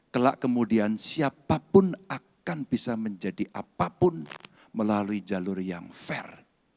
kelak kemudian siapapun akan bisa menjadi apapun melalui jalur yang fair